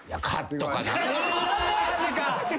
マジか。